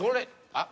あっ。